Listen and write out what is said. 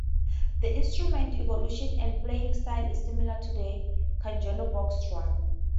The instrument's evolution and playing style is similar to the cajon box drum.